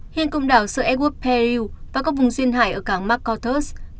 hiện công đảo seregup periu và các vùng xuyên hải ở cảng makartos